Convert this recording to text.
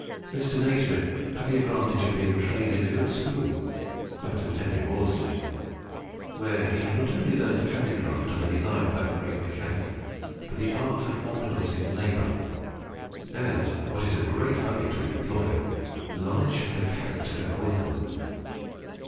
Mr. Nasmyth had the advantage of being trained in a good school that of Henry Maudslay where he had not only learnt handicraft under the eye of that great mechanic, but the art of organizing labour, and (what is of great value to an employer) knowledge of the characters of workmen.